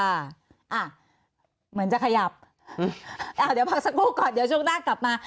อ่ะเหมือนจะขยับอ่าเดี๋ยวพักสักครู่ก่อนเดี๋ยวช่วงหน้ากลับมา